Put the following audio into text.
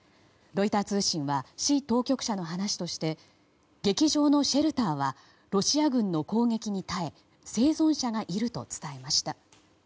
ロイター通信は市当局者の話として劇場のシェルターはロシア軍の攻撃に耐え生存者がいると伝えました。